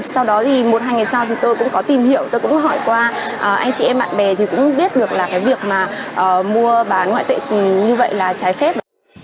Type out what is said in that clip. sau đó thì một hai ngày sau thì tôi cũng có tìm hiểu tôi cũng hỏi qua anh chị em bạn bè thì cũng biết được là cái việc mà mua bán ngoại tệ như vậy là trái phép